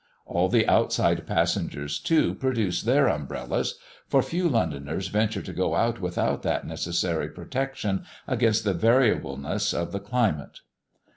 All the outside passengers, too, produce their umbrellas for few Londoners venture to go out without that necessary protection against the variableness of the climate.